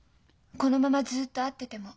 このままずっと会ってても？